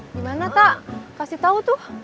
dimana tak kasih tau tuh